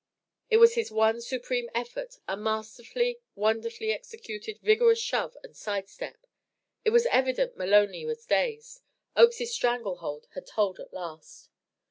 It was his one supreme effort, a masterly, wonderfully executed, vigorous shove and side step. It was evident Maloney was dazed. Oakes's strangle hold had told at last.